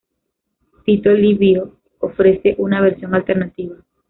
Tito Livio ofrece una versión alternativa.